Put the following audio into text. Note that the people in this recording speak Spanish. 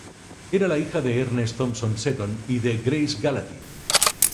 Era la hija de Ernest Thompson Seton y de Grace Gallatin.